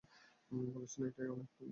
বলেছেন এটাই অনেক।